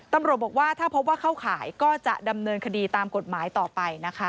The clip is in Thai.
ตำรวจบอกว่าถ้าพบว่าเข้าข่ายก็จะดำเนินคดีตามกฎหมายต่อไปนะคะ